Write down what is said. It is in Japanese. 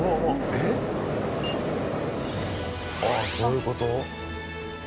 えっ？あっ、そういうこと？